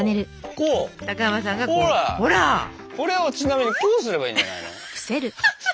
これをちなみにこうすればいいんじゃないの？